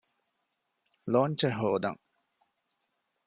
ލޯންޗެއް ހޯދަން